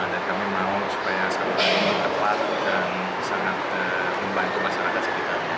kami mau supaya sampah ini tepat dan sangat membantu masyarakat sekitarnya